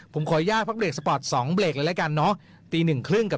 ฟังช่วงนี้หน่อยฮะ